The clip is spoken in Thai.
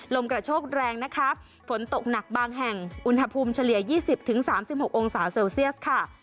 ลมกระโชกแรงนะคะฝนตกหนักบางแห่งอุณหภูมิเฉลี่ย๒๐๓๖องศาเซลเซียสค่ะ